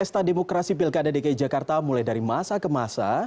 pesta demokrasi pilkada dki jakarta mulai dari masa ke masa